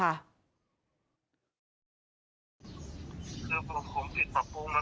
สบายนะครับ